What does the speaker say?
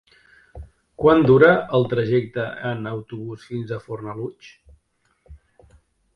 Quant dura el trajecte en autobús fins a Fornalutx?